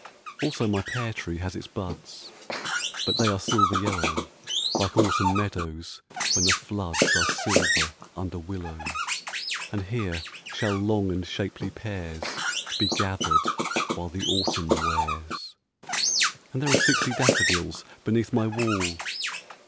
Also my pear tree has its buds, But they are silver yellow, Like autumn meadows when the floods Are silver under willow, And here shall long and shapely pears Be gathered while the autumn wears. And there are sixty daffodils Beneath my wall....